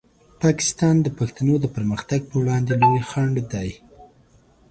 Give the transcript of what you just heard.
پاکستان د پښتنو د پرمختګ په وړاندې لوی خنډ دی.